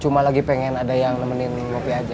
cuma lagi pengen ada yang nemenin ngopi aja